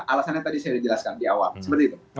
alasannya tadi saya jelaskan di awal